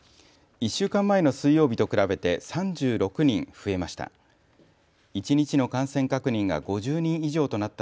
１週間前の水曜日と比べて３６人増えました。